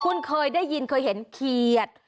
คุณเคยได้ยินเคยเห็นเขียด